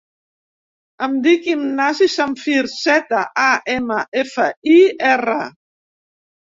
Em dic Ignasi Zamfir: zeta, a, ema, efa, i, erra.